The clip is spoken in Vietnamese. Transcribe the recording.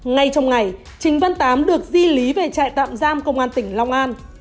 ngay trong ngày trình văn tám được di lý về trại tạm giam công an tỉnh long an